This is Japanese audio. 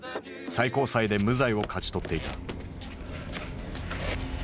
最高裁で無罪を勝ち取っていた。